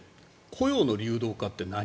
雇用の流動化って何？